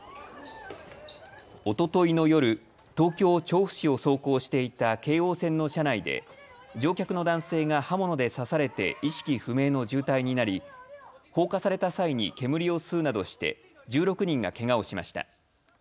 おとといの夜、東京調布市を走行していた京王線の車内で乗客の男性が刃物で刺されて意識不明の重体になり放火された際に煙を吸うなどして１６人がけがをしました。